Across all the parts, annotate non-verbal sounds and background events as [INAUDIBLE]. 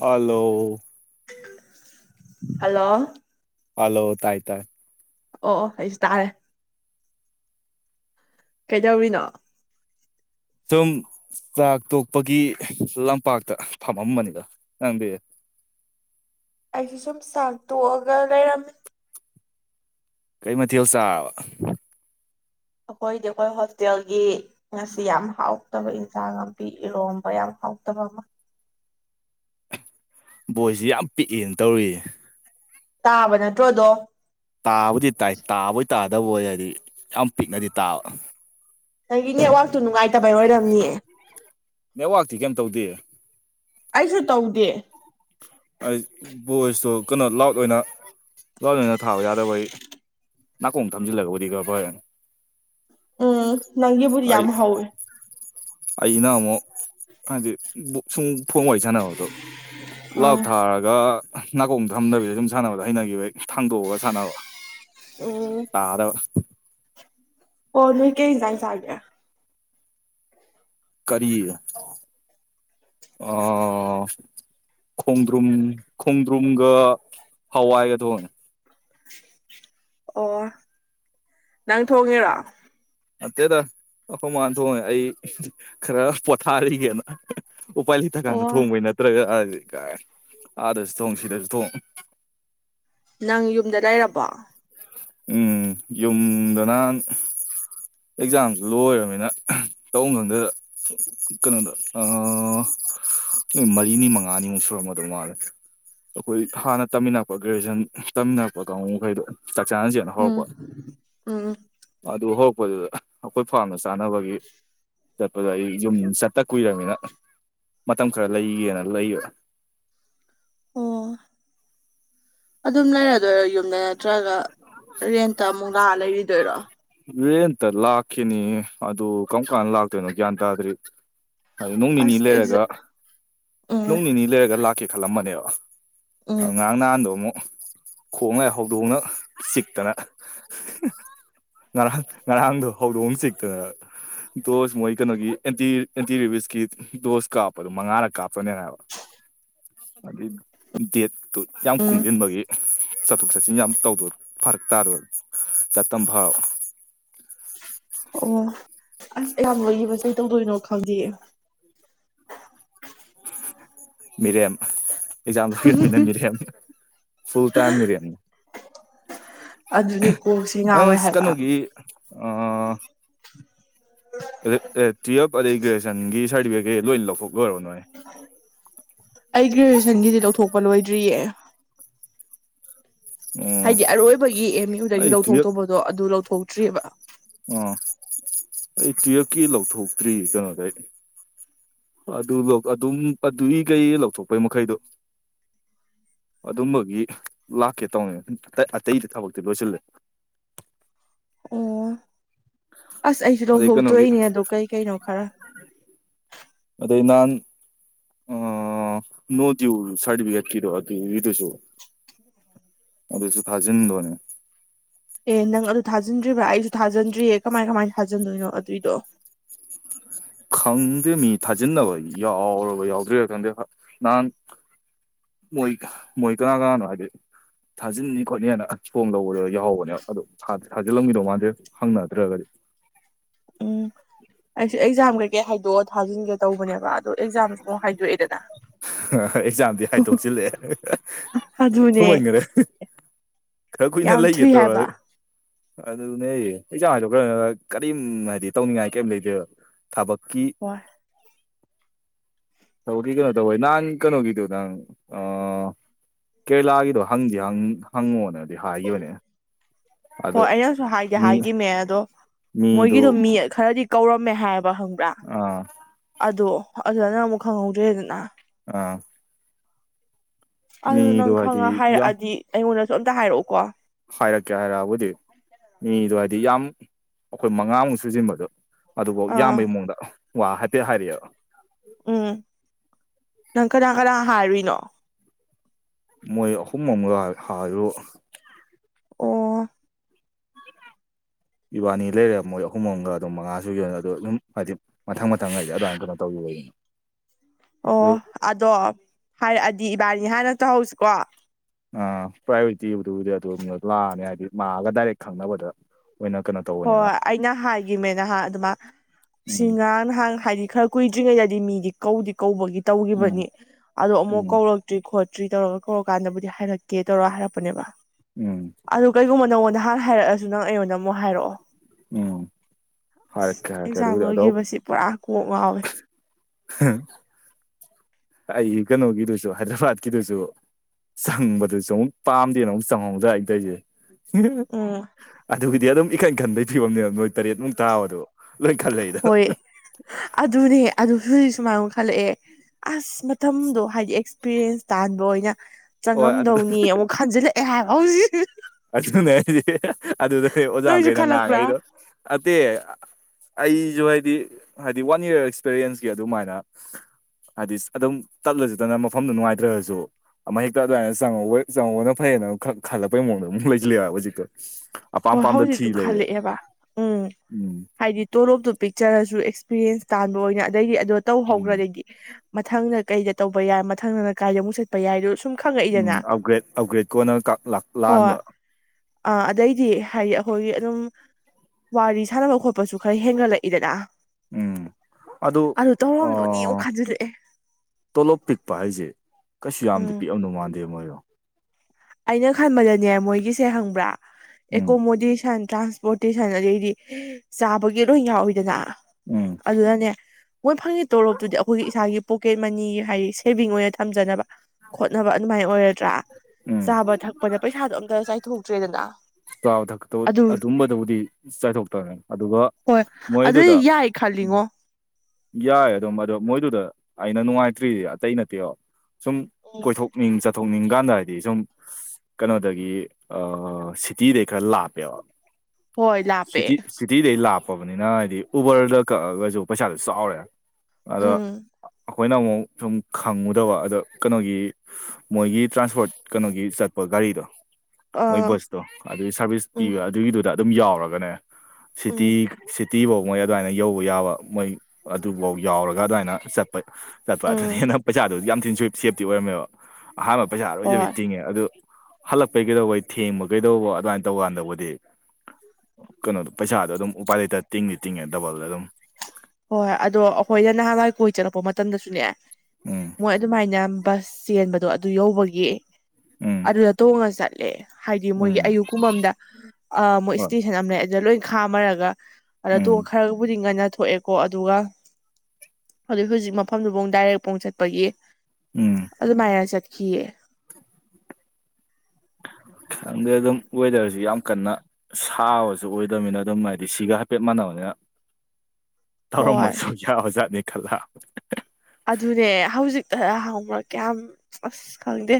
Hello hello hello ꯇꯥꯏ ꯇꯥꯏ ꯑꯣ ꯑꯣ ꯑꯩꯁꯨ ꯇꯥꯔꯦ ꯀꯩꯗꯧꯔꯤꯅꯣ ꯇꯨꯝ ꯆꯥꯛ ꯇꯣꯛꯄꯒꯤ ꯂꯝꯄꯥꯛꯇ ꯐꯝꯃꯝꯕꯅꯤꯗ ꯅꯪꯗꯤ ꯑꯩꯁꯨ ꯁꯨꯝ ꯆꯥꯡꯇꯣꯛꯑꯒ ꯂꯩꯔꯝꯃꯤ꯫ ꯀꯩꯔꯤ ꯃꯊꯦꯜ ꯆꯥꯔꯕꯥ ꯑꯩꯈꯣꯏꯗꯤ ꯑꯩꯈꯣꯏ ꯍꯣꯁꯇꯦꯜꯒꯤ ꯉꯁꯤ ꯌꯥꯝ ꯍꯥꯎꯇꯕ ꯏꯟꯁꯥꯡ ꯑꯃ ꯄꯤ ꯏꯔꯣꯝꯕ ꯌꯥꯝ ꯍꯥꯎꯇꯕ ꯑꯃ ꯕꯣꯏꯁꯤ ꯌꯥꯝ ꯄꯤꯛꯏꯅꯤ ꯇꯧꯔꯤꯌꯦ ꯇꯥꯕ ꯅꯠꯇ꯭ꯔꯣ ꯑꯗꯨꯝ ꯇꯥꯕꯨꯗꯤ ꯇꯥꯏ ꯇꯥꯕꯣꯏ ꯇꯥꯗꯥꯕꫭꯏ ꯑꯣꯏ ꯍꯥꯏꯔꯗꯤ ꯌꯥꯝ ꯄꯤꯛꯅꯗꯤ ꯇꯥꯕ꯫ ꯅꯪꯒꯤ ꯅꯦꯠꯋꯥꯥꯛꯇꯨ ꯅꯨꯡꯉꯥꯏꯇꯕꯒꯤ ꯑꯣꯏꯔꯝꯅꯤꯌꯦ꯫ ꯅꯋꯥꯛꯇꯤ ꯀꯩꯝ ꯇꯧꯗ° ꯑꯩꯁꯨ ꯇꯧꯗꯦ꯫ ꯑꯩꯒꯤ ꯚꯣꯏꯁꯇꯣ ꯀꯩꯅꯣ ꯂꯥꯎꯗ ꯑꯣꯏꯅ ꯂꯥꯎꯠ ꯑꯣꯏꯅ ꯊꯥꯕ ꯌꯥꯗꯕꯩꯅꯤ ꯅꯥꯀꯣꯡ ꯊꯝꯖꯤꯜꯂꯒꯕꯨꯗꯤ ꯈꯔꯥꯐꯔ° ꯎꯝ ꯅꯪꯒꯤꯕꯨꯔꯤ ꯌꯥꯝꯃ ꯍꯥꯎꯦ ꯑꯩꯅ ꯑꯃꯨꯛ ꯍꯥꯏꯗꯤ ꯁꯨꯝ ꯐꯣꯟ ꯋꯥꯔꯤ ꯁꯥꯟꯅꯕꯗꯣ ꯂꯥꯎ ꯑꯥ ꯊꯥꯔꯒ ꯅꯥꯀꯣꯡꯝ ꯊꯝꯗꯕꯤꯁꯦ ꯁꯨꯝ ꯁꯥꯟꯅꯕꯗ ꯍꯩꯅꯒꯤ ꯍꯦꯛ ꯊꯥꯡꯗꯣꯛꯑꯒ ꯁꯥꯟꯅꯕ ꯎꯝ ꯇꯥꯗꯕꯔꯥ ꯑꯣꯑ ꯅꫭꯏ ꯀꯩ ꯑ°ꯡꯖꯥꯡ ꯆꯥꯒꯦ ꯀꯔꯤꯅꫭ ꯑꯥꯑ ꯈꯣꯡꯗ꯭ꯔꯨꯝ꯫ ꯈꯣꯡꯗ꯭ꯔꯨꯝꯒ ꯍꯋꯥꯏꯒ ꯊꯣꯡꯏ꯫ ꯑꯣꯑ ꯅꯪꯅ ꯊꯣꯡꯉꯤꯔꯣ ꯅꯇꯦꯗ ꯃꯈꫭꯏ ꯃꯥꯟ ꯊꯣꯡꯉꯦ ꯑꯩ ꯈꯔ ꯄꯣꯊꯥꯔꯤꯒꯦꯅ ꯎꯄꯥꯏ ꯂꯤꯇꯛ ꯀꯥꯟꯗ ꯑꯣ ꯊꯣꯡꯕꯩ ꯅꯠꯇ꯭ꯔꯗꯤ ꯀꯥꯏ ꯑꯥꯗꯁꯨ ꯊꯣꯡ ꯁꯤꯗꯁꯨ ꯊꯣꯡ ꯅꯪ ꯌꯨꯝꯗꯥ ꯂꯩꯔꯕꯣ? ꯎꯝꯝ ꯌꯨꯝꯗꯅ ꯅꯍꯥꯟ ꯑꯦꯛꯖꯥꯝꯁꯨ ꯂꯣꯏꯔꯕꯅꯤꯅ ꯇꯧ ꯐꯝ ꯈꯪꯗꯗ ꯀꯩꯅꯣꯗꯥ [INAUDIBLE] ꯅꯃꯤꯠ ꯃꯔꯤꯅꯤ ꯃꯉꯥꯅꯤꯃꯨꯛ ꯁꯨꯔꯝꯃꯗꯧ ꯃꯥꯜꯂꯦ ꯑꯩꯈꯣꯏ ꯍꯥꯟꯅ ꯇꯝꯃꯤꯟꯅꯔꯛꯄ ꯒ꯭ꯔꯦꯖꯨꯌꯦꯁꯟ ꯇꯝꯃꯤꯟꯅꯔꯛꯄ ꯀꯥꯡꯕꯨ ꯃꯈꯩꯗꯣ꯫ ꯆꯥꯛ ꯆꯥꯅꯁꯦꯅ ꯎꯝ ꯍꯧꯔꯛꯄ ꯎꯝ ꯑꯗꫭ ꯑꯗꯨ ꯍꯧꯔꯛꯄꯗꯨꯗ ꯑꯩꯈꯣꯏꯒꯤ ꯐꯥꯔꯝꯗ ꯆꯥꯅꯕꯒꯤ ꯆꯠꯄꯗꯨꯗ ꯑꯩ ꯌꯨꯝ ꯈꯠꯇꯥ ꯀꯨꯏꯔꯕꯃꯤꯅ ꯃꯇꯝ ꯈꯔ ꯂꯩꯒꯦꯅꯥ ꯂꯩꯕꯥ ꯑꯣ ꯑꫭ ꯑꯗꯨꯝ ꯂꯩꯔꯗꯥꯔꫭ ꯅꯠꯇ꯭ꯔꯒ ꯔꯦꯟꯇ ꯑꯃꯨꯛ ꯂꯥꯛꯑꯥꯒ ꯂꯩꯔꯤꯗꯣꯏꯔꯣ ꯔꯦꯟꯇꯥ ꯂꯥꯛꯈꯤꯅꯤ ꯑꯗꯨ ꯀꯔꯝ ꯀꯥꯟꯗ ꯂꯥꯛꯇꯣꯏꯅꯣ ꯒ꯭ꯌꯥꯟ ꯇꯥꯗ꯭ꯔꯤ꯫ ꯑꯗꯨ ꯅꯣꯡ ꯅꯤꯅꯤ ꯑꯁ ꯑꯦꯛꯖꯥ ꯂꯩꯔꯒ ꯎꯝ ꯅꯣꯡ ꯅꯤꯅꯤ ꯂꯩꯔꯒ ꯂꯥꯛꯀꯦ ꯈꯜꯂꯝꯕꯅꯤ꯫ ꯎꯝ ꯉꯥꯂꯥꯡ ꯅꯥꯍꯥꯟꯗꯨ ꯑꯃꯨꯛ ꯈꯣꯡꯉꯥꯏꯗ ꯍꯧꯗꯣꯡꯅ ꯆꯤꯛꯇꯅꯥ ꯉꯔꯥꯡ ꯉꯔꯥꯡꯗꯨ ꯍꯥꯎꯗꫭꯡ ꯅꯥ ꯆꯤꯛꯛꯇꯗ ꯗꯣꯁ ꯃꯣꯏ ꯀꯩꯅꯣꯒꯤꯇ ꯑꯦꯟꯇꯤꯔꯤꯕꯤꯁꯀꯤ ꯗꯣꯁ ꯀꯥꯞꯄ ꯑꯗꯨꯣ ꯃꯉꯥꯔꯛ ꯀꯥꯞꯄꫭꯅ ꯑꯗꯨꯒꯤ ꯗꯦꯠꯇꯨ ꯌꯥꯝ ꯎꯝ ꯀꯨꯡꯁꯤꯟꯕꯒꯤ ꯆꯠꯊꯣꯛ ꯆꯠꯁꯤꯟ ꯌꯥꯝ ꯇꯧꯗꯣꯏ ꯐꯔꯛ ꯇꯥꯗꯧꯔꯕ ꯆꯠꯇꯝꯅ ꯐꯥꯕ ꯑꯣ ꯑꯁ ꯑꯋꯥꯝ ꯂꫭꯏꯕꯁꯦ ꯀꯔꯤ ꯇꯧꯗꯣꯏꯅꯣ ꯈꯪꯗꯩꯌꯦ ꯃꯤꯔꯦꯝ꯫ ꯑꯦꯛꯖꯥꯝ ꯂꯃꯤꯅ ꯃꯤꯔꯦꯝ ꯐꯨꯜ ꯇꯥꯏꯝ ꯃꯤꯔꯦꯝꯅꯤ ꯑꯗꯨꯅꯤ ꯀꯣꯛꯁꯤ ꯉꯥꯎꯋꯦ ꯍꯥꯏꯕꯅꯤ ꯑꯑꯑꯑ ꯇꯨꯋꯜꯞ ꯑꯗꯩ ꯒ꯭ꯔꯦꯖꯨꯑꯦꯁꯟꯒꯤ ꯁꯥꯔꯇꯤꯐꯤꯀꯦ ꯂꯣꯏ ꯂꯧꯊꯣꯛꯂꯣꯏꯔꯕꯅꯣ ꯑꯩ ꯒ꯭ꯔꯦꯖꯨꯋꯦꯁꯟꯒꯤꯗꯤ ꯂꯧꯊꯣꯛꯄ ꯂꯣꯏꯗ꯭ꯔꯤꯌꯦ ꯑꯣ ꯍꯥꯏꯗꯤ ꯑꯔꯣꯏꯕꯒꯤ ꯑꯦꯝ ꯌꯨꯗꯒꯤ ꯑꯩ ꯇꯨꯌꯦꯜꯞ ꯂꯧꯊꯣꯛꯇꯧꯕꯗꯣ ꯑꯗꯨ ꯂꯧꯊꯣꯛꯇ꯭ꯔꯤꯑꯕ ꯑꯥ ꯑꯩ ꯇꯨꯌꯦꯜꯐꯀꯤ ꯂꯧꯊꯣꯛꯇ꯭ꯔꯤ ꯀꯩꯅꯣꯗꯏꯗꯤ ꯑꯗꯨ ꯑꯗꯨꯝ ꯑꯗꯨꯏ ꯀꯩ ꯂꯧꯊꯣꯛꯄꯩ ꯃꯈꯩꯗꯣ ꯑꯗꯨꯝꯕꯒꯤ ꯂꯥꯛꯀꯦ ꯇꯧꯅꯤ ꯑꯇꯩꯗꯤ ꯊꯕꯛꯇꯤ ꯂꯣꯏꯁꯤꯜꯂꯦ ꯑꯣ ꯑꯁ ꯑꯩꯁꯨ ꯑꯗꯩ ꯀꯩꯅꯣꯒꯤ ꯂꯧꯊꯣꯛꯇꯣꯛꯏꯅꯦ ꯑꯗꯣ ꯀꯩ ꯀꯩꯅꯣ ꯈꯔ ꯑꯣ [UNINTELLIGIBLE] ꯑꯗꯨꯁꯨ ꯊꯥꯖꯟꯗꯣꯅꯦ ꯑꯦ ꯅꯪ ꯑꯗꯨ ꯊꯥꯖꯤꯟꯗ꯭ꯔꯤꯕ꯭ꯔꯥ ꯑꯩꯁꯨ ꯊꯥꯖꯟꯗ꯭ꯔꯤꯌꯦ ꯀꯃꯥꯏ ꯀꯃꯥꯏꯅ ꯊꯥꯖꯤꯟꯗꯣꯏꯅꯣ ꯑꯗꯨꯏꯗꯣ [UNINTELLIGIBLE] ꯈꯪꯗꯦ ꯃꯤ ꯊꯥꯖꯤꯟꯅꯕ ꯌꯥꯎꯔꯕ ꯌꯥꯎꯗ꯭ꯔꯦ ꯈꯪꯗꯦ ꯅꯍꯥꯟ ꯃꯣꯏ ꯃꯣꯏ ꯀꯥꯅ ꯀꯥꯅꯅꯣ ꯍꯥꯏꯗꯤ ꯊꯥꯖꯤꯟꯅꯤ ꯈꯣꯠꯅꯤ ꯍꯥꯏꯅ ꯐꯣꯝ ꯂꯧꯕꯗ ꯌꯥꯎꯧꯕꯅꯦ ꯑꯗꯨ ꯊꯥꯖꯤꯜꯂꯝꯒꯤꯗꯧ ꯃꯥꯟꯗꯦ ꯍꯪꯅꯗ꯭ꯔꯒꯗꯤ ꯑꯣ ꯑꯩꯁꯦ ꯑꯩꯛꯖꯥꯝ ꯀꯩꯀꯩ ꯍꯥꯏꯗꯣꯛꯑꯒꯥ ꯊꯥꯖꯤꯟꯒꯦ ꯇꯧꯕꯅꯦꯕ ꯑꯦꯛꯖꯥꯝꯁꯨ ꯑꯃꯨꯛ ꯍꯥꯏꯗꯣꯛꯑꯦꯗꯅ ꯑꯦꯛꯖꯥꯝꯗꯤ ꯍꯥꯏꯗꯣꯛꯆꯤꯜꯂꯦ ꯑꯗꯨꯅꯦ ꯊꯨꯃꯥꯟꯈꯔꯦ ꯈꯔ ꯀꯨꯏꯅ ꯌꯥꯝ ꯂꯩꯒꯦ ꯊꯨꯏ ꯍꯥꯏꯕ ꯇꯩꯔꯒꯥ ꯑꯗꯨꯅꯦ ꯑꯀꯖꯥꯝ ꯍꯥꯏꯗꯣꯛ ꯈꯔꯒꯥ ꯀꯔꯤꯝ ꯍꯥꯏꯗꯤ ꯇꯧꯅꯤꯡꯉꯥꯏ ꯀꯔꯤꯝ ꯂꯩꯇꯦꯕ ꯊꯕꯛꯀꯤ ꯍꯣꯏ [UNINTELLIGIBLE] ꯀꯦꯔꯦꯂꯥꯒꯤꯗꯣ ꯍꯪꯗꯤ ꯍꯪꯉꯣꯅꯗꯤ ꯍꯥꯏꯒꯤꯕꯅꯦ ꯍꯣꯏ ꯑꯩꯅꯁꯨ ꯍꯥꯏꯗꯤ ꯍꯥꯏꯒꯤꯅꯦ ꯑꯗꯣ ꯃꯤꯗꯨ ꯃꯣꯏꯒꯤꯗꯣ ꯃꯤ [UNINTELLIGIBLE] ꯀꯧꯔꯝꯃꯦ ꯍꯥꯏꯔꯕ ꯈꯪꯕ꯭ꯔꯥ ꯑꯥ ꯑꯗꯣ ꯑꯗꯨ ꯅꯅꯪ ꯑꯃꯨꯛ ꯈꯪꯍꯧꯗ꯭ꯔꯦꯗꯅ ꯑ ꯑꯗꯨ ꯅꯪ ꯍꯥꯏꯗꯤ ꯈꯪꯉ ꯌꯥꯝ ꯍꯥꯏꯔꯛꯑꯗꯤ ꯑꯩꯉꯣꯟꯗꯁꯨ ꯑꯝꯇ ꯍꯥꯏꯔꯛꯎꯀꯣ ꯍꯥꯏꯔꯛꯀꯦ ꯍꯥꯏꯔꯛꯑꯕꯨꯗꯤ ꯃꯤꯗꯣ ꯍꯥꯏꯗꯤ ꯌꯥꯝ ꯑꯩꯈꯣꯏ ꯃꯉꯥꯃꯨꯛ ꯁꯨꯖꯤꯟꯕꯗꯣ ꯑꯗꯨ ꯑꯥ ꯏꯌꯥꯝꯕꯩ ꯃꯑꯣꯡꯗ ꯋꯥ ꯍꯥꯏꯐꯦꯠ ꯍꯥꯏꯔꯤꯑꯦꯕ ꯎꯝ ꯅꯪ ꯀꯅꯥ ꯀꯅꯥ ꯍꯥꯏꯔꯨꯔꯤꯏꯅꯣ ꯃꯣꯏ ꯑꯍꯨꯝ ꯑꯃꯒ ꯍꯥꯏꯔꯨ ꯑꯣ ꯏꯕꯥꯅꯤ ꯂꯩꯔꯦ ꯃꯣꯏ ꯑꯍꯨꯝꯃꯒ ꯑꯗꯨꯝ ꯃꯉꯥ ꯁꯨꯈꯤꯕꯅ ꯑꯗꯨ ꯑꯗꯨꯝ ꯍꯥꯏꯗꯤ ꯃꯊꯪ ꯃꯊꯪ ꯍꯥꯏꯩꯗꯤ ꯑꯗꯨꯃꯥꯏꯅ ꯀꯩꯅꯣ ꯇꯧ [UNINTELLIGIBLE] ꯑꯣ ꯑꯗꯣ ꯍꯥꯏꯔꯛꯑꯗꯤ ꯏꯕꯥꯅꯤ ꯍꯥꯏꯥꯟꯅ ꯇꯧꯍꯧꯁꯤꯀꯣ ꯑ ꯄ꯭ꯔꯥꯏꯌꯣꯔꯤꯇꯤꯗꯨꯕꯨꯗꯤ ꯑꯗꯨꯝ ꯂꯥꯛꯑꯅꯤ ꯍꯥꯏꯕꯗꯤ ꯂꯥꯛꯑꯒ ꯗꯥꯏꯔꯦꯛ ꯈꯪꯅꯕꯗ ꯑꯣꯏꯅ ꯀꯩꯅꯣ ꯇꯧꯕꯅꯤꯅ ꯍꯣꯏꯣꯏ ꯑꯩꯅ ꯍꯥꯏꯈꯤꯕꯅꯦ ꯅꯍꯥꯟ ꯑꯗꯨꯃ ꯁꯤ ꯎꯝ ꯉꯔꯥꯡ ꯅꯍꯥꯟ ꯍꯥꯏꯗꯤ ꯈꯔ ꯀꯨꯏꯗ꯭ꯔꯤꯉꯩꯗꯗꯤ ꯃꯤꯗꯤ ꯀꯧꯗꯤ ꯀꯧꯕꯒꯤ ꯎꯝ ꯇꯧꯈꯤꯕꯅꯤ ꯑꯗꯣ ꯑꯃꯨꯛ ꯎꯝ ꯀꯧꯔꯛꯇ꯭ꯔꯤ [UNINTELLIGIBLE] [UNINTELLIGIBLE] ꯀꯧꯔ ꯀꯥꯟꯗꯕꯨ ꯍꯥꯏꯔꯛꯀꯦ ꯇꯧꯔ ꯍꯥꯏꯔꯛꯄꯅꯦꯕ ꯎꯝ ꯑꯗꯨ ꯀꯩꯒꯨꯝꯕ ꯅꯣꯟ ꯅꯍꯥꯟ ꯍꯥꯏꯔꯛꯑꯁꯨ ꯅꯪ ꯑꯩꯉꯣꯟꯗ ꯑꯃꯨꯛ ꯍꯥꯏꯔꯛꯑꯣ ꯎꯝ ꯑꯁ ꯍꯥꯏꯔꯛꯀꯦ ꯍꯥꯏꯔꯛꯀꯦ ꯑꯦꯛꯖꯥꯝ ꯑꯗꯨꯕꯨꯗꯤ ꯑꯗꯣ ꯂꯣꯏꯈꯤꯕꯁꯤ ꯄꯨꯔꯥ ꯀꯣꯛ ꯉꯥꯎꯋꯤ ꯑꯩ ꯀꯩꯅꯣ ꯀꯤꯗꯨꯁꯨ ꯍꯥꯏꯗ꯭ꯔꯕꯥꯗ ꯀꯤꯗꯨꯨꯁꯨ ꯆꯪꯕꯗꯨꯁꯨ ꯑꯃꯨꯛ ꯄꯥꯝꯗꯦꯅ ꯑꯃꯨꯛ ꯆꯪꯍꯧꯗ꯭ꯔ ꯑꯩꯇꯩꯁꯦ ꯎꯝ ꯑꯗꯨꯒꯤꯗꯤ ꯑꯗꯨꯝ ꯏꯈꯟ ꯈꯟꯕꯩ ꯐꯤꯕꯝꯅꯦꯕ ꯅꯣꯏ ꯇꯔꯦꯠꯃꯨꯛ ꯇꯥꯕꯗꯣ ꯂꯣꯏ ꯈꯜꯂꯛꯏꯗ ꯍꯣꯏ ꯑꯗꯨꯅꯦ ꯑꯗꯨ ꯍꯧꯖꯤꯖꯤꯛ ꯁꯨꯃꯥꯏꯅꯨꯛ ꯈꯜꯂꯛꯑꯦ ꯑꯁ ꯃꯇꯝꯗꯣ ꯍꯥꯏꯗꯤ ꯑꯦꯛꯁꯄꯤꯔꯤꯌꯦꯟꯁ ꯇꯥꯟꯕ ꯑꯣꯏꯅ ꯍꯣꯏ ꯑꯗꯨꯗ ꯆꯪꯉꯝꯗꯧꯅꯤ ꯑꯃꯨꯛ ꯈꯟꯖꯤꯜꯂꯛꯑꯦ ꯍꯥꯏꯕ [UNINTELLIGIBLE] ꯑꯗꯨꯅꯦ ꯑꯩꯗꯤ ꯑꯗꯨꯗ ꯅꯣꯏꯁꯨ ꯑꯣꯖꯥꯈꯩꯩꯅ ꯈꯜꯂꯛꯄ꯭ꯔꯥ ꯉꯥꯡꯉꯩꯗꯣ ꯑꯠꯇꯦ ꯑꯩꯁꯨ ꯍꯥꯏꯗꯤ ꯍꯥꯏꯗꯤ ꯋꯥꯟ ꯏꯌꯥꯔ ꯑꯦꯛꯁꯄꯤꯔꯤꯌꯦꯟꯁꯀꯤ ꯑꯗꯨꯃꯥꯏꯅ ꯍꯥꯏꯗꯤ ꯑꯗꯨꯝ ꯇꯠꯂꯁꯨꯗꯅ ꯃꯐꯝꯗ ꯅꯨꯡꯉꯥꯏꯇ꯭ꯔꯁꯨ ꯃꯍꯤꯛ ꯑꯗꯨꯥꯏꯅ ꯆꯪꯉꯧꯕ ꯆꯪꯉꯧꯕꯅ ꯐꯩꯌꯦꯅ ꯈꯜꯂꯛꯄꯩ ꯃꯑꯣꯡꯗ ꯑꯃꯨꯛ ꯂꯩꯁꯤꯜꯂꯦ ꯍꯥꯏꯕ ꯍꯧꯖꯤꯛ ꯍꯣꯏ ꯍꯧꯖꯤꯛꯇꯨ ꯈꯜꯂꯛꯑꯦꯕ ꯎꯝ ꯎꯝ ꯍꯥꯏꯗꯤ ꯇꯣꯣꯔꯣꯞꯇꯣ ꯄꯤꯛ ꯤꯆꯔꯁꯨ ꯑꯦꯛꯁꯄꯤꯔꯤꯌꯦꯟꯁ ꯇꯥꯟꯕ ꯑꯣꯏꯅ ꯑꯗꯩꯗꯤ ꯑꯗꯣ ꯎꯝ ꯇꯧꯍꯧꯈ꯭ꯔꯗꯤ ꯃꯊꯪꯗ ꯀꯩꯗ ꯇꯧꯕ ꯌꯥꯏ ꯃꯊꯪꯗꯅ ꯀꯥꯏꯗ ꯑꯃꯨꯛ ꯆꯠꯄ ꯌꯥꯏꯗꯣ ꯁꯨꯝ ꯎꯝ ꯈꯪꯉꯛꯏꯗꯅ ꯑꯞꯒ꯭ꯔꯦꯗ ꯑꯞꯒ꯭ꯔꯦꯗ ꯀꯣꯟꯅ ꯂꯑꯥꯟꯕ ꯑ ꯑꯥꯏ ꯗꯤ ꯍꯥꯏꯗꯤ ꯑꯩꯈꯣꯏꯒꯤ ꯑꯗꯨꯝ ꯋꯥꯔꯤ ꯁꯥꯟꯅꯕ ꯈꯣꯠꯄꯁꯨ ꯈꯔ ꯍꯦꯟꯒꯠꯂꯛꯏꯗꯅ ꯎꯝ ꯑꯗꯨꯗ ꯑꯗꯨ ꯑ ꯇꯧꯔꯝꯗꯣꯅꯤ ꯑꯃꯨꯛ ꯈꯟꯖꯤꯜꯂꯛꯑꯦ ꯇꯣꯂꯣꯞ ꯄꯤꯛꯄ ꯍꯥꯏꯁꯦ ꯀꯩꯁꯨ ꯌꯥꯝꯗꯤ ꯎꯝ ꯄꯤꯛꯑ ꯅꯨꯡ ꯃꯥꯟꯗꯦ ꯃꯣꯏꯔꯣ ꯑꯩꯅ ꯈꯟꯕꯗꯅꯦ ꯃꯣꯏꯒꯤꯁꯦ ꯍꯪꯕ꯭ꯔꯥ ꯎꯝ ꯑꯦꯀꯣꯃꯣꯗꯦꯁꯟ ꯇ꯭ꯔꯥꯟꯁꯄꯣꯔꯇꯦꯁꯟ ꯑꯗꯩꯗꯤ ꯆꯥꯕꯒꯤ ꯂꯣꯏ ꯌꯥꯎꯋꯤꯗꯅ ꯎꯝ ꯑꯗꯨꯅꯅꯦ ꯃꯣꯏ ꯐꯪꯉꯦ ꯇꯧꯔꯣꯞꯇꯨꯗꯤ ꯑꯩꯈꯣꯏꯒꯤ ꯏꯁꯥꯒꯤ ꯄꯣꯀꯦꯠ ꯃꯅꯤ ꯍꯥꯏꯗꯤ ꯁꯦꯚꯤꯡ ꯑꯣꯏꯅ ꯊꯝꯖꯅꯕ ꯈꯣꯠꯅꯕ ꯑꯗꯨꯃꯥꯏꯅ ꯑꯣꯏꯔꯗ꯭ꯔꯥ ꯎꯝ ꯆꯥꯕ ꯊꯛꯄꯗ ꯄꯩꯁꯥꯗꯣ ꯑꯝꯇ ꯆꯥꯏꯊꯣꯛꯇ꯭ꯔꯦꯗꯅ ꯆꯥ ꯊꯛꯇ ꯑꯗꯨ ꯑꯗꯨꯝꯕꯗꯕꯨꯗꯤ ꯆꯥꯏꯊꯣꯛꯇꯔꯦ ꯑꯗꯨꯒ ꯍꯣꯏ ꯃꯣꯏꯗꯨꯗ ꯑꯗꯨꯗꯤ ꯌꯥꯏ ꯈꯜꯂꯤꯉꯣ ꯌꯥꯏ ꯑꯗꯨꯝ ꯑꯗꯣ ꯃꯣꯏꯗꯨꯗ ꯑꯩꯅ ꯅꯨꯡꯉꯥꯏꯇ꯭ꯔꯤꯗꯤ ꯑꯇꯩ ꯅꯠꯇꯦꯕ ꯁꯨꯝ ꯀꯣꯏꯊꯣꯛꯅꯤꯡ ꯆꯠꯊꯣꯛꯅꯤꯡ ꯀꯥꯟꯗ ꯍꯥꯏꯗꯤ ꯁꯨꯝ ꯀꯩꯅꯣꯗꯒꯤ ꯁꯤꯇꯤꯗꯒꯤꯩ ꯈꯔ ꯂꯥꯞꯄꯦꯕ ꯍꯣꯏ ꯂꯥꯞꯄꯦ ꯁꯤꯇꯤ ꯁꯤꯇꯤ ꯂꯩ ꯂ ꯑ ꯐꯕꯅꯤꯅ ꯍꯥꯏꯗꯤ ꯎꯕꯔꯗ ꯀꯛꯑꯒꯁꯨ ꯄꯩꯁꯥꯗꯨ ꯆꯥꯎꯔꯦ ꯑꯗ ꯎꯝ ꯑꯩꯈꯣꯏꯅ ꯑꯃꯨꯛ ꯁꯨꯝ ꯈꯪꯉꯨꯗꯕ ꯑꯗꯣ ꯀꯩꯅꯣꯒꯤ ꯃꯣꯏꯒꯤ ꯇ꯭ꯔꯥꯟꯁꯄꯣꯔꯠ ꯀꯩꯅꯣꯒꯤ ꯆꯠꯄ ꯒꯥꯔꯤꯗꯣ ꯃꯣꯏ ꯑꯥ ꯕꯁꯇꯣ ꯑꯗꯨꯒꯤ ꯁꯥꯔꯚꯤꯁ ꯎꯝ ꯄꯤꯕ ꯑꯗꯨꯒꯤꯗꯨꯗ ꯑꯗꯨꯝ ꯌꯥꯎꯔꯒꯅꯦ ꯁꯦꯇ ꯎꯝ ꯁ ꯇꯤꯐꯧ ꯃꯣꯏ ꯑꯗꯨꯃꯥꯏꯅ ꯌꯧꯕ ꯌꯥꯕ ꯃꯣꯏ ꯑꯗꯨꯐꯧ ꯌꯥꯎꯔꯒ ꯑꯗꯨꯃꯥꯏꯅ ꯆꯠꯄ ꯆꯠꯄ ꯑꯗꯨꯅꯤ ꯎꯝ ꯍꯟꯅ ꯄꯩꯁꯥꯗꯨꯁꯨ ꯌꯥꯝ ꯊꯅ ꯁꯦꯞꯇꯤ ꯑꯣꯏꯔꯝꯃꯦꯕ ꯑꯍꯥꯟꯕ ꯄꯩꯁꯥ ꯂꯣꯏꯖꯕꯤ ꯍꯣꯏ ꯇꯤꯡꯉꯦ ꯑꯗꯨ ꯍꯜꯂꯛꯄꯩ ꯀꯩꯗꯧꯕꯩ ꯊꯦꯡꯕ ꯀꯩꯗꯧꯕ ꯑꯗꯨꯃꯥꯏꯅ ꯇꯧ ꯀꯥꯟꯗꯕꯨꯗꯤ ꯀꯩꯅꯣꯗꯣ ꯄꯩꯁꯥꯗꯣ ꯑꯗꯨꯝ ꯎꯄꯥꯏ ꯂꯩꯇ ꯇꯤꯡꯗꯤ ꯇꯤꯡꯉꯦ ꯗꯕꯜꯗ ꯑꯗꯨꯝ ꯍꯣꯏ ꯑꯗꯣ ꯑꯩꯈꯣꯏꯅ ꯅꯍꯥꯟꯋꯥꯏ ꯀꯣꯏ ꯆꯠꯂꯛꯄ ꯃꯇꯝꯗꯁꯨꯅꯦ ꯎꯝ ꯃꯣꯏ ꯑꯗꯨꯃꯥꯏꯅ ꯕꯁ ꯆꯦꯟꯕꯗꯣ ꯑꯗꯨ ꯌꯧꯕꯒꯤ ꯎꯝ ꯑꯗꯨꯗꯂ ꯇꯣꯡꯉꯁꯔꯦ ꯆꯠꯂꯦ ꯍꯥꯏꯗꯤ ꯃꯣꯏꯒꯤ ꯎꯝ ꯑꯌꯨꯛ ꯀꯨꯝꯃꯝꯗ ꯑ ꯃꯣꯏ ꯍꯣꯏ ꯏꯁꯇꯦꯁꯟ ꯑꯃ ꯂꯩ ꯑꯗꯨꯗ ꯂꯣꯏ ꯈꯥꯝꯃꯔꯒ ꯑꯗꯣ ꯇꯣ ꯎꯝ ꯈꯔꯒꯕꯨꯗꯤ ꯉꯟꯅ ꯊꯣꯛꯑꯦ ꯀꯣ ꯑꯗꯨꯒ ꯍꯧꯖꯤꯛ ꯍꯧꯖꯤꯛ ꯃꯐꯝꯗꯨꯐꯥꯎ ꯗꯥꯏꯔꯦꯛ ꯄꯨꯡ ꯆꯠꯄꯒꯤ ꯎꯝ ꯑꯗꯨꯃꯥꯏꯅ ꯆꯠꯈꯤꯌꯦ [INAUDIBLE] ꯈꯪꯗꯦ ꯑꯗꯨꯝ ꯋꯦꯗꯔꯁꯤ ꯌꯥꯝ ꯀꯟꯅ ꯁꯥꯕꯁꯨ ꯑꯣꯏꯗꯕꯅꯤꯅ ꯑꯗꯨꯝ ꯍꯥꯏꯗꯤ ꯁꯤꯒ ꯍꯥꯏꯐꯦꯠ ꯃꯥꯟꯅꯕꯅꯤꯅ [INAUDIBLE] ꯍꯣꯏ ꯇꯧꯔꯝꯃꯁꯨ ꯌꯥ ꯑꯣꯖꯥꯠꯅꯤ ꯈꯜꯂꯥ ꯑꯗꯨꯅꯦ ꯍꯧꯖꯤꯛꯇ ꯍꯥꯎꯕ ꯀꯌꯥꯝ ꯑꯁ ꯈꯪꯗꯦ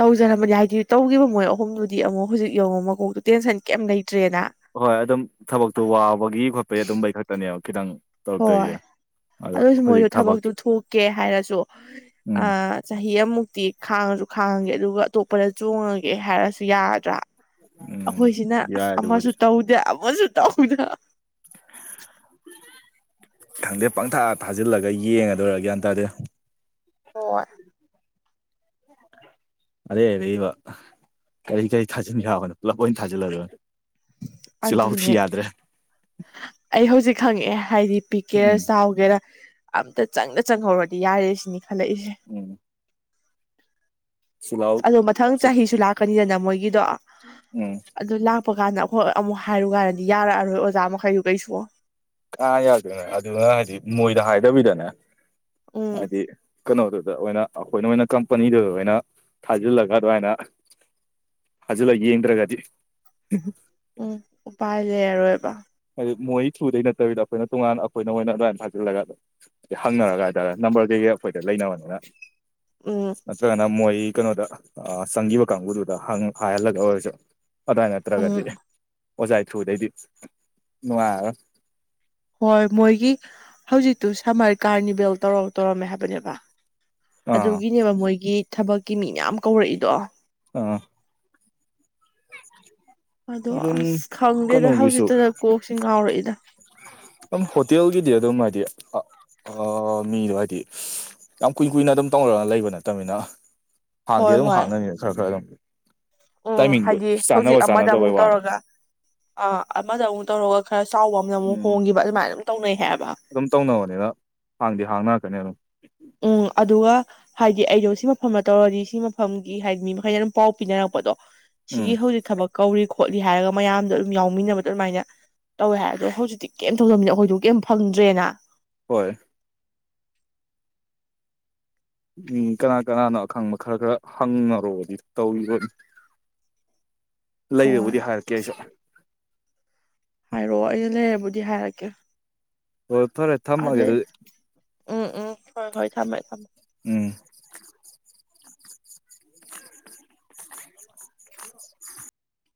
ꯇꯧꯖꯔꯝꯕꯗꯤ ꯍꯥꯏ ꯍꯥꯏꯗꯤ ꯇꯧꯈꯤꯕ ꯃꯣꯏ ꯑꯍꯨꯝꯗꯨꯗꯤ ꯑꯃꯨꯛ ꯍꯧꯖꯤꯛ ꯌꯡꯉ ꯃꯀꯣꯛꯇꯣ ꯇꯦꯟꯁꯟ ꯀꯩꯝ ꯂꯩꯇ꯭ꯔꯦꯅ ꯍꯣꯏ ꯑꯗꯨꯝ ꯊꯕꯛꯇꯣ ꯋꯥꯕꯒꯤ ꯈꯣꯠꯄꯒꯤ ꯑꯗꯨꯝꯝꯕꯩ ꯈꯛꯇꯅꯦꯕ ꯈꯤꯇꯪ ꯇꯧꯔꯛꯇꯣꯏꯁꯦ ꯑꯗꯣ ꯑꯗꯨꯁꯨ ꯍꯧꯖꯤꯛ ꯃꯣꯏꯁꯨ ꯊꯕꯛ ꯊꯕꯛꯇꯨ ꯊꯣꯛꯀꯦ ꯍꯥꯏꯔꯁꯨ ꯎꯝ ꯆꯍꯤ ꯑꯃꯃꯨꯛꯇꯤ ꯈꯥꯡꯉ ꯁꯨ ꯈꯥꯡꯉꯒꯦ ꯑꯗꯨꯒ ꯑꯇꯣꯞꯄꯗ ꯆꯣꯡꯉꯒꯦ ꯍꯥꯏꯔꯁꯨ ꯌꯥꯗ꯭ꯔꯥ ꯎꯝ ꯑꯩꯈꯣꯏꯁꯤꯅ ꯑꯁ ꯌꯥꯏ ꯑꯃꯁꯨ ꯑꯗꯨꯕꯨꯗꯤ ꯇꯧꯗꯦ ꯑꯃꯁꯨ ꯇꯧꯗꯦ [INAUDIBLE] ꯈꯪꯗꯦ ꯄꯪꯊꯥ ꯊꯥꯖꯤꯜꯂꯒ ꯌꯦꯡꯉꯗꯣꯏꯔꯥ ꯒ꯭ꯌꯥꯟ ꯇꯥꯗꯦ ꯍ ꯑꯔꯩ ꯑꯔꯩꯕ ꯀꯔꯤ ꯀꯔꯤ ꯊꯥꯖꯤꯟ ꯌꯥꯕꯅꯣ ꯄꯨꯂꯞ ꯑꯣꯏꯅ ꯊꯥꯖꯤꯜꯂꯔ ꯆꯤꯜꯂꯥꯎ ꯊꯤ ꯑꯗꯨꯅꯦ ꯌꯥꯗ꯭ꯔꯦ ꯑꯩ ꯍꯧꯖꯤꯛ ꯈꯪꯉꯛꯑꯦ ꯍꯥꯏꯗꯤ ꯄꯤꯛꯀꯦꯔꯥ ꯎꯝ ꯆꯥꯎꯒꯦꯔꯥ ꯑꯝꯇ ꯆꯪꯗ ꯆꯪꯍꯧꯔꯗꯤ ꯌꯥꯔꯦ ꯁꯤꯅꯤ ꯍꯜꯂꯛꯏꯁꯦ ꯎꯝ ꯆꯤꯜꯍꯥꯎ ꯑꯗꯣ ꯃꯊꯪ ꯆꯍꯤꯁꯨ ꯂꯥꯛꯀꯅꯤꯗꯅ ꯃꯣꯏꯒꯤꯗꯣ ꯎꯝ ꯑꯗꯨ ꯀꯞꯄ ꯀꯥꯟꯗ ꯑꯩꯈꯣꯏ ꯑꯃꯨꯛ ꯍꯥꯏꯔꯨ ꯀꯥꯏꯔꯗꯤ ꯌꯥꯔꯛꯑꯔꯣꯏ ꯑꯣꯖꯥ ꯃꯈꯩꯗꯨ ꯀꯩꯁꯨ ꯑꯥ ꯌꯥꯗꯣꯏꯅꯦ ꯑꯗꯨꯅ ꯍꯥꯏꯗꯤ ꯃꯣꯏꯗ ꯍꯥꯏꯗꯕꯤꯗꯅꯦ ꯎꯝ ꯍꯥꯏꯗꯤ ꯀꯩꯅꯣꯗꯨꯗ ꯑꯣꯏꯅ ꯑꯩꯈꯣꯏꯅ ꯑꯣꯏꯅ ꯀꯝꯄꯅꯤꯗꯨꯗ ꯑꯣꯏꯅ ꯊꯥꯖꯤꯜꯂꯒ ꯑꯗꯨꯃꯥꯏꯅ ꯍꯖꯤꯂ ꯌꯦꯟ꯭ꯔꯒꯗꯤ ꯎꯝ ꯎꯥꯏ ꯂꯩꯔ ꯑꯦꯕ ꯍꯥꯏꯗꯤ ꯃꯣꯏ ꯊ꯭ꯔꯨꯗꯩ ꯅꯠꯇꯕꯤꯗ ꯑꯩꯈꯣꯏꯅ ꯇꯣꯉꯥꯟ ꯑꯩꯈꯣꯏꯅ ꯃꯣꯏ ꯑꯗꯨꯃꯥꯏꯅ ꯐꯥꯖꯤꯜꯂꯒ ꯍꯪꯅꯔꯒ ꯍꯥꯏꯇꯥꯔꯦ ꯅꯝꯕꯔ ꯀꯩꯀꯩ ꯑꯩꯈꯣꯏꯗ ꯂꯩꯅꯕꯅꯤꯅ ꯎꯝ ꯅꯠꯇ꯭ꯔꯒꯅ ꯃꯣꯏ ꯀꯩꯅꯣꯗ ꯆꯪꯈꯤꯕ ꯀꯥꯡꯕꯨꯗꯨꯗ ꯍꯥꯏꯍꯜꯂꯒ ꯑꯣꯏꯔꯁꯨ ꯑꯗꯨꯋꯥꯏ ꯅꯠꯇ꯭ꯔꯒꯗꯤ ꯎꯝ ꯑꯣꯖꯥ ꯊ꯭ꯔꯨꯗꯩꯗꯤ ꯅꯨꯡꯉꯥꯏꯒ ꯍꯣꯏ ꯃꯣꯏꯒꯤ ꯍꯧꯖꯤꯛꯇꯨ ꯁꯝꯃꯔ ꯀꯥꯔꯅꯤꯚꯦꯜ ꯇꯧꯔ ꯇꯧꯔꯝꯃꯦ ꯍꯥꯏꯕꯅꯦꯕ ꯑꯥ ꯑꯗꯨꯒꯤꯅꯦꯕ ꯃꯣꯏꯒꯤ ꯊꯕꯛꯀꯤ ꯃꯤ ꯃꯌꯥꯝ ꯀꯧꯔꯛꯏꯗꯣ ꯑꯥ [INAUDIBLE] ꯑꯗꯣ ꯑꯗꯨꯝ ꯑꯁ ꯈꯪꯗꯦꯗ ꯀꯩꯅꯣꯒꯤꯁꯨ ꯍꯧꯖꯤꯛꯇꯗ ꯀꯣꯛꯁꯤ ꯉꯥꯎꯔꯛꯏꯗ ꯑꯗꯨꯝ ꯍꯣꯇꯦꯜꯒꯤꯗꯤ ꯑꯗꯨꯝ ꯍꯥꯏꯗꯤ ꯃꯤꯗꯣ ꯍꯥꯏꯗꯤ ꯌꯥꯝ ꯀꯨꯏ ꯀꯨꯏꯅ ꯑꯗꯨꯝ ꯇꯧꯔꯒ ꯂꯩꯕ ꯅꯠꯇꯅꯤꯅ ꯍꯥꯡꯗꯤ ꯍꯣꯏ ꯑꯗꯨꯝ ꯍꯣꯏ ꯍꯥꯡꯅꯅꯤꯅ ꯈꯔ ꯈꯔ ꯑꯗꯨꯝ ꯎꯝ ꯇꯥꯏꯃꯤꯡꯗꯣ ꯍꯥꯏꯗꯤ ꯆꯥꯅꯕ ꯍꯧꯖꯤꯛ ꯑꯃꯗ ꯑꯃꯨꯛ ꯆꯥꯅꯗꯕꯩ ꯋꯥꯅꯤ ꯇꯧꯔꯒ ꯑꯥ ꯑꯃꯗ ꯑꯃꯨꯛ ꯇꯧꯔꯒ ꯈꯔ ꯆꯥꯎꯕ ꯑꯃꯅ ꯑꯃꯨꯛ ꯎꯝ ꯍꯣꯡꯈꯤꯕ ꯑꯗꯨꯃꯥꯏꯅ ꯑꯗꯨꯝ ꯇꯧꯅꯩ ꯍꯥꯏꯕ ꯑꯗꯨꯝ ꯇꯧꯅꯕꯅꯤꯅ ꯍꯥꯡꯗꯤ ꯍꯥꯡꯅꯔꯛꯀꯅꯤ ꯑꯗꯨꯝ ꯎꯝ ꯑꯗꯨꯒ ꯍꯥꯏꯗꯤ ꯑꯩꯗꯣ ꯁꯤ ꯃꯐꯝꯅ ꯇꯧꯔꯗꯤ ꯁꯤ ꯃꯐꯝꯒꯤ ꯍꯥꯏꯗꯤ ꯃꯤ ꯃꯈꯩꯅ ꯑꯗꯨꯝ ꯄꯥꯎ ꯄꯤꯅꯔꯛꯄꯗꯣ ꯎꯝ ꯁꯤꯒꯤ ꯍꯧꯖꯤꯛ ꯊꯕꯛ ꯀꯧꯔꯤ ꯈꯣꯠꯂꯤ ꯍꯥꯏꯔꯒ ꯃꯌꯥꯝꯗꯣ ꯑꯗꯨꯝ ꯌꯥꯎꯃꯤꯟꯅꯕꯗ ꯑꯗꯨꯃꯥꯏꯅ ꯇꯧꯋꯦ ꯍꯥꯏ ꯑꯗꯣ ꯍꯧꯖꯤꯛꯇꯤ ꯀꯩꯝ ꯇꯧꯗꯕꯅꯤ ꯑꯩꯈꯣꯏꯗꯨ ꯀꯩꯝ ꯐꯪꯗ꯭ꯔꯦꯅ ꯍꯣꯏ ꯎꯝ ꯀꯅꯥ ꯀꯅꯥꯅꯣ ꯑꯈꯪꯕ ꯈꯔ ꯈꯔ ꯍꯪꯅꯔꯨꯔꯕꯗꯤ ꯇꯧꯔꯤꯕꯅꯤ [INAUDIBLE] ꯍꯣꯏ ꯂꯩꯔꯦꯕꯨꯗꯤ ꯍꯥꯏꯔꯛꯀꯦ ꯑꯩꯁꯨ ꯍꯥꯏꯔꯛꯑꯣ ꯑꯩꯅ ꯂꯩꯔꯕꯨꯗꯤ ꯍꯥꯏꯔꯛꯀꯦ ꯍꯣꯏ ꯐꯔꯦ ꯊꯝꯃꯒꯦ ꯑꯗꯦ ꯑꯗꯨꯗꯤ ꯎꯝ ꯎꯝ ꯍꯣꯏ ꯍꯣꯏ ꯊꯝꯃꯃꯦ ꯊꯝꯃꯦ ꯎꯝ